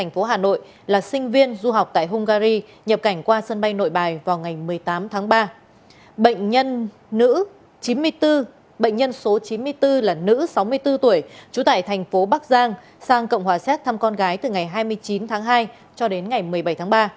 bệnh nhân nữ chín mươi bốn bệnh nhân số chín mươi bốn là nữ sáu mươi bốn tuổi trú tại thành phố bắc giang sang cộng hòa xét thăm con gái từ ngày hai mươi chín tháng hai cho đến ngày một mươi bảy tháng ba